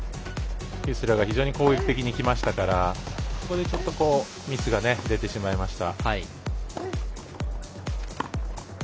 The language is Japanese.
ヒュースラーが非常に攻撃的にきましたからそれで、ちょっとミスが出てしまいました。